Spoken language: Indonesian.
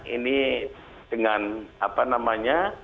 ini dengan apa namanya